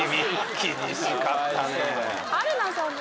厳しかったね。